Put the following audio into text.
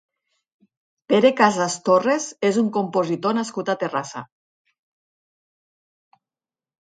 Pere Casas Torres és un compositor nascut a Terrassa.